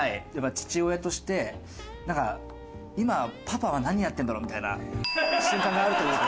父親としてなんか今パパは何やってるんだろう？みたいな瞬間があるというか。